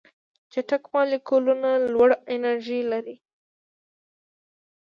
چټک مالیکولونه لوړه انرژي لري.